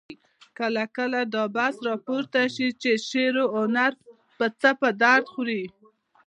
کله کله دا بحث راپورته شي چې شعر او هنر څه په درد خوري؟